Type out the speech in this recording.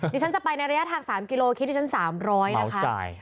ดิฉันจะไปในระยะถัก๓กิโลคิตดิฉัน๓๐๐นะคะ